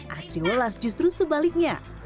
asri walas justru sebaliknya